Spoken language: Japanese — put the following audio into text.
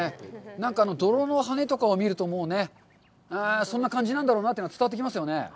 なんか、泥のはねとかを見るとそんな感じなんだろうなというのは伝わってきますよね。